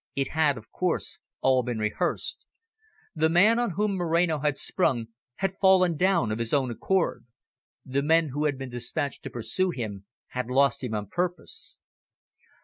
It had, of course, all been rehearsed. The man on whom Moreno had sprung had fallen down of his own accord. The men who had been dispatched to pursue him had lost him on purpose.